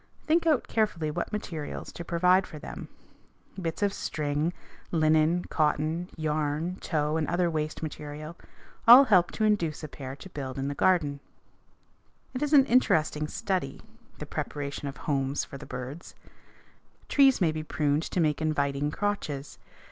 Think out carefully what materials to provide for them. Bits of string, linen, cotton, yarn, tow and other waste material, all help to induce a pair to build in the garden. [Illustration: FIG. 283. PROTECTING OUR FRIENDS] It is an interesting study the preparation of homes for the birds. Trees may be pruned to make inviting crotches.